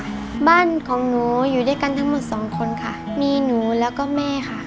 บ้านของหนูอยู่ด้วยกันทั้งหมดสองคนค่ะมีหนูแล้วก็แม่ค่ะ